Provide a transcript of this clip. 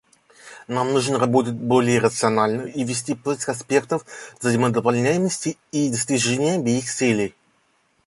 Нам нужно работать более рационально и вести поиск аспектов взаимодополняемости и достижения обеих целей.